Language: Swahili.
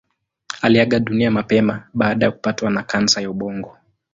Aliaga dunia mapema baada ya kupatwa na kansa ya ubongo.